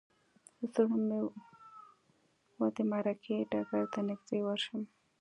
زړه مې و د معرکې ډګر ته نږدې ورشم.